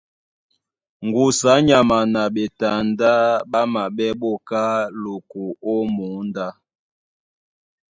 Ŋgusu á nyama na ɓetandá ɓá maɓɛ́ ɓá oká loko ó mǒndá.